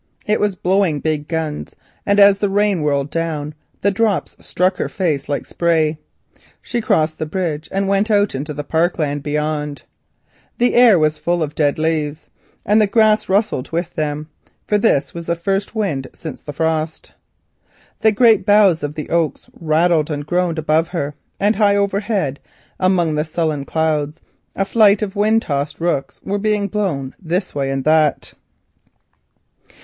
It was blowing big guns, and as the rain whirled down the drops struck upon her face like spray. She crossed the moat bridge, and went out into the parkland beyond. The air was full of dead leaves, and the grass rustled with them as though it were alive, for this was the first wind since the frost. The great boughs of the oaks rattled and groaned above her, and high overhead, among the sullen clouds, a flight of rooks were being blown this way and that.